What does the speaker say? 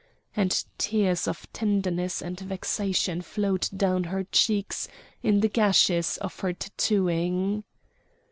And tears of tenderness and vexation flowed down her cheeks in the gashes of her tattooing.